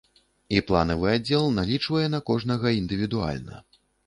І планавы аддзел налічвае на кожнага індывідуальна.